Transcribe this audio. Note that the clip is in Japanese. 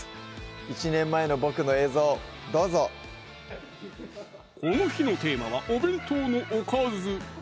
１年前の僕の映像どうぞこの日のテーマは「お弁当のおかず」